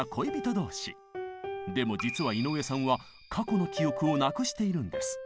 でも実は井上さんは過去の記憶をなくしているんです。